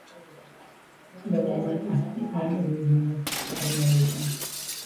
The movement is an indigenous mission organization.